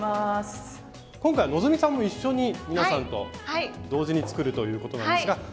今回希さんも一緒に皆さんと同時に作るということなんですが。